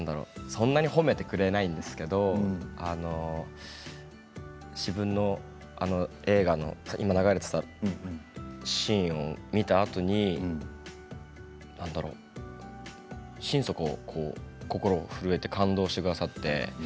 そんなに褒めてくれないんですけれど自分の映画の先ほども流れていたシーンを見たあとに心底、心震えて感動してくださって。